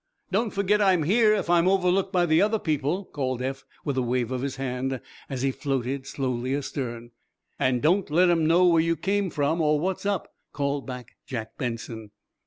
"Don't forget I'm here, if I'm overlooked by the other people," called Eph, with a wave of his hand, as he floated slowly astern. "And don't let 'em know where you came from, or what's up," called back Jack Benson.